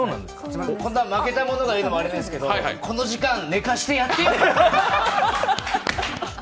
負けた者が言うのもあれなんですけど、この時間寝かしてやってよ。